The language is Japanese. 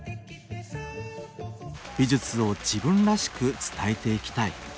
美術を自分らしく伝えていきたい。